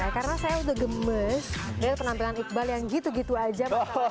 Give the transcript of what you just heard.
karena saya udah gemes dari penampilan iqbal yang gitu gitu aja